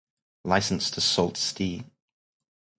Licensed to Sault Ste.